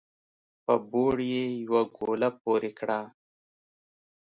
په بوړ يې يوه ګوله پورې کړه